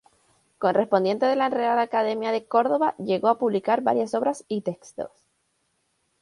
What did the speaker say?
Correspondiente de la Real Academia de Córdoba, llegó a publicar varias obras y textos.